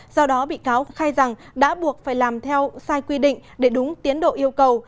do đó bị cáo khai rằng đã buộc phải làm theo sai quy định để đúng tiến độ yêu cầu